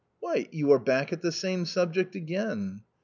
" Why ! you are back at the same subject again